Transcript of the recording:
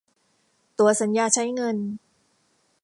ตั๋วสัญญาใช้เงิน